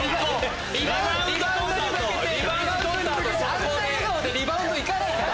あんな笑顔でリバウンド行かないから！